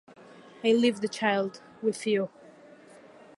I leave the child with you.